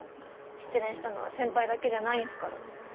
失恋したのは先輩だけじゃないんすから。